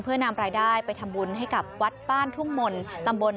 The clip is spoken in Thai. เพื่อนำรายได้ไปทำบุญให้กับวัดบ้านทุ่งมนต์ตำบล